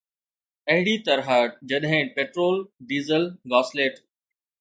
اهڙي طرح جڏهن پيٽرول، ڊيزل، گاسليٽ